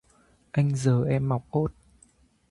Anh rờ em mọc ốt